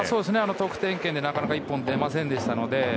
得点圏でなかなか１本出ませんでしたので。